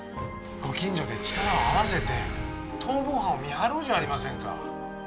ご近所で力を合わせて、逃亡犯を見張ろうじゃありませんか。